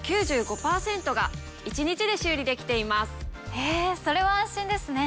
へぇそれは安心ですね。